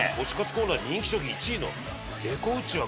コーナー人気商品１位のデコうちわ